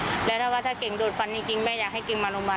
แล้วถ้าว่าถ้าเก่งโดนฟันจริงแม่อยากให้เก่งมาโรงพยาบาล